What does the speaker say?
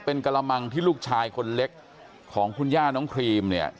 เป็นกระมังที่ลูกชายคนเล็กของคุณย่าน้องครีมเนี่ย